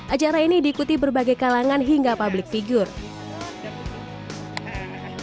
acara ini diikuti berbagai kalangan hingga public figure